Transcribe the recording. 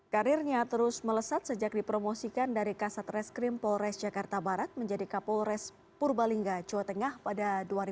karirnya terus melesat sejak dipromosikan dari kasat reskrim polres jakarta barat menjadi kapolres purbalingga jawa tengah pada dua ribu dua